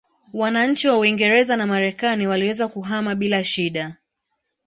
Wananchi wa Uingereza na Marekani waliweza kuhama bila shida